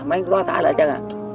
mấy ló thả lại chân à